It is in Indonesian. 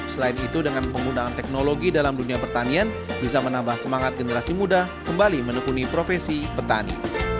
selain itu dengan penggunaan teknologi dalam dunia pertanian bisa menambah semangat generasi muda kembali menekuni profesi petani